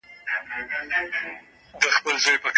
قانون باید پر ټولو خلکو یو شان او په سمه توګه پلی شي.